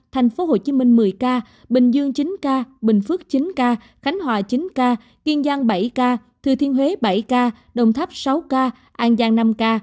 thành phố hồ chí minh một mươi ca bình dương chín ca bình phước chín ca khánh hòa chín ca kiên giang bảy ca thư thiên huế bảy ca đồng tháp sáu ca an giang năm ca